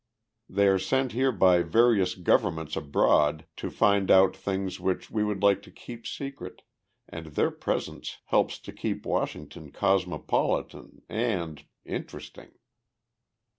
They are sent here by various governments abroad to find out things which we would like to keep secret and their presence helps to keep Washington cosmopolitan and interesting.